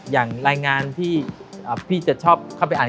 อย่างรายงานที่พี่จะชอบเข้าไปอ่าน